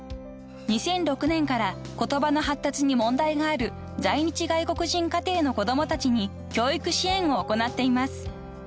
［２００６年から言葉の発達に問題がある在日外国人家庭の子供たちに教育支援を行っています］